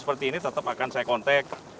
seperti ini tetap akan saya kontak